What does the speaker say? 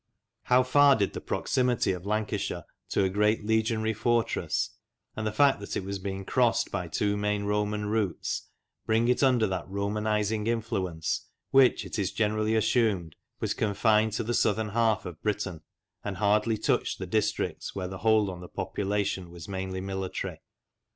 How far did the proximity of Lancashire to a great legionary fortress, and the fact that it was crossed by two main Roman routes, bring it under that THE ROMANS IN LANCASHIRE 53 " Romanizing " influence which, it is generally assumed, was confined to the southern half of Britain, and hardly touched the districts where the hold on the population was mainly military